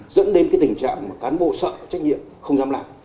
dẫn đến cái tình trạng mà cán bộ sợ trách nhiệm không dám làm